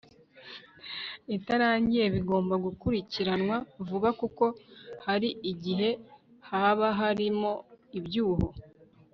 itarangiye bigomba gukurikiranwa vuba kuko hari igihe haba harimo ibyuho